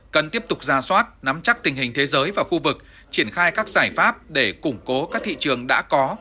cần tiếp tục ra soát nắm chắc tình hình thế giới và khu vực triển khai các giải pháp để củng cố các thị trường đã có